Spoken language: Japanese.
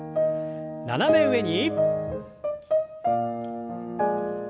斜め上に。